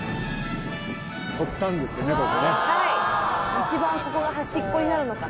一番ここが端っこになるのかな？